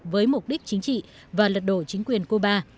với mục đích chính trị và lật đổ chính quyền cuba